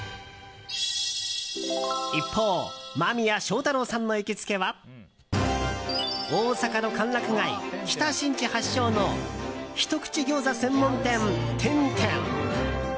一方、間宮祥太朗さんの行きつけは大阪の歓楽街・北新地発祥のひとくち餃子専門店、点天。